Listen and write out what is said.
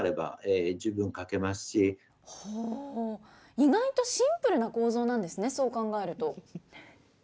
意外とシンプルな構造なんですね、そう考えると。